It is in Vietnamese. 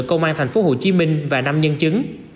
công an tp hcm và năm nhân chứng